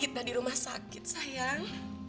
kita di rumah sakit sayang